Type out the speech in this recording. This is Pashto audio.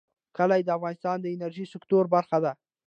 کلي د افغانستان د انرژۍ سکتور برخه ده.